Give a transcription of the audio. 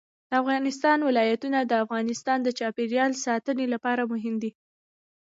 د افغانستان ولايتونه د افغانستان د چاپیریال ساتنې لپاره مهم دي.